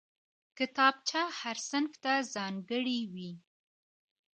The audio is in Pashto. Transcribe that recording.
کتابچه هر صنف ته ځانګړې وي